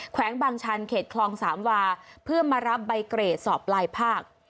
แวงบางชันเขตคลองสามวาเพื่อมารับใบเกรดสอบปลายภาค